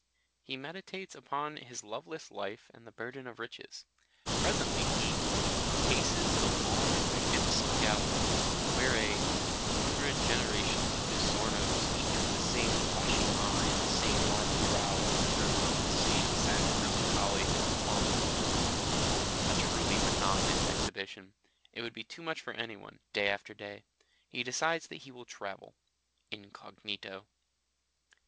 He meditates upon his loveless life and the burthen of riches. Presently he "paces the long and magnificent gallery," where a "hundred generations of Di Sornos, each with the same flashing eye and the same marble brow, look down with the same sad melancholy upon the beholder" a truly monotonous exhibition. It would be too much for anyone, day after day. He decides that he will travel. Incognito.